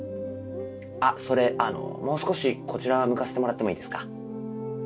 あっそれもう少しこちら向かせてもらってもいいですか？